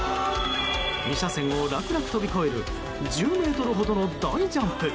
２車線を楽々跳び越える１０ｍほどの大ジャンプ。